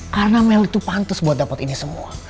karena mel itu pantas buat dapet ini semua